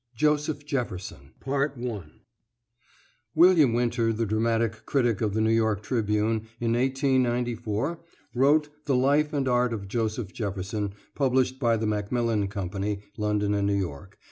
JOSEPH JEFFERSON [William Winter, the dramatic critic of the New York Tribune, in 1894 wrote the "Life and Art of Joseph Jefferson," published by the Macmillan Company, London and New York.